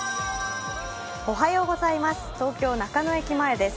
東京・中野駅前です。